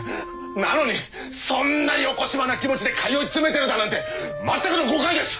なのにそんなよこしまな気持ちで通い詰めてるだなんて全くの誤解です！